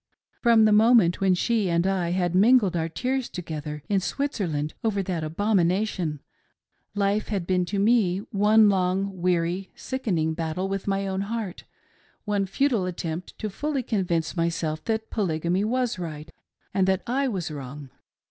From the mof ment when she and I had mingled our tears together, in Switzer land, over that abomination, life had been to me one long, weary, sickening battle with my own heart, one futile attempt to fully convince myself that Polygamy was right and that I was wrong.